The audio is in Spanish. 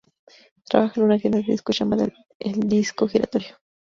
Trabaja en una tienda de discos llamada "El Disco Giratorio".